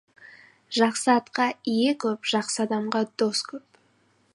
Жақсы атқа ие көп, жақсы адамға дос көп.